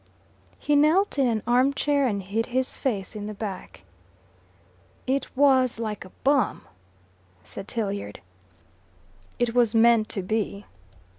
He knelt in an arm chair and hid his face in the back. "It was like a bomb," said Tilliard. "It was meant to be."